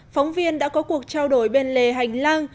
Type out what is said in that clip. phóng viên đã có cuộc trao đổi bên lề hành lang